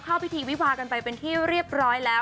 เข้าพิธีวิวากันไปเป็นที่เรียบร้อยแล้ว